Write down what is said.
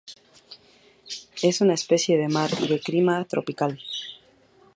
Es una especie de mar y de clima tropical.